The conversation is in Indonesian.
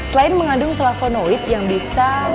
selain mengandung flavonoid yang bisa membuat kulit merah